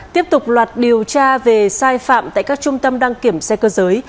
tiếp tục loạt điều tra về sai phạm tại các trung tâm đăng kiểm xe cơ giới